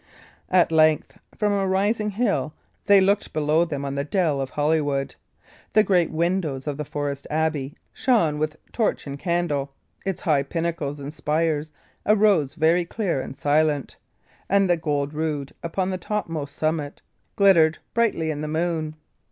At length, from a rising hill, they looked below them on the dell of Holywood. The great windows of the forest abbey shone with torch and candle; its high pinnacles and spires arose very clear and silent, and the gold rood upon the topmost summit glittered brightly in the moon.